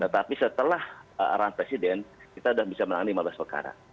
tapi setelah arahan presiden kita sudah bisa menangani lima belas perkara